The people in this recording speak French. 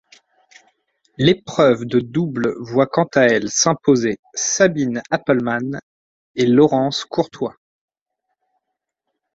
L'épreuve de double voit quant à elle s'imposer Sabine Appelmans et Laurence Courtois.